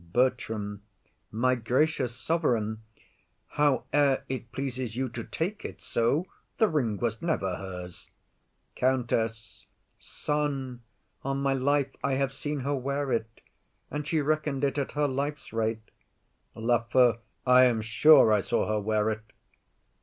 BERTRAM. My gracious sovereign, Howe'er it pleases you to take it so, The ring was never hers. COUNTESS. Son, on my life, I have seen her wear it; and she reckon'd it At her life's rate. LAFEW. I am sure I saw her wear it.